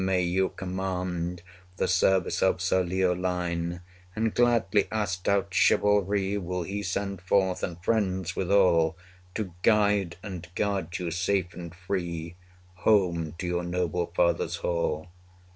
may you command The service of Sir Leoline; And gladly our stout chivalry Will he send forth and friends withal To guide and guard you safe and free 110 Home to your noble father's hall.